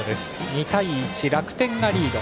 ２対１、楽天がリード。